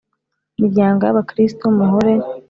Miryango y abakristo muhore